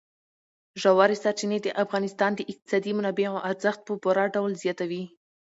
ژورې سرچینې د افغانستان د اقتصادي منابعو ارزښت په پوره ډول زیاتوي.